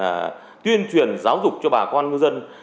vấn đề là tuyên truyền giáo dục cho bà con ngư dân